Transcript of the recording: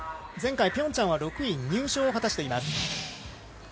前回、ピョンチャンは６位入賞を果たしています。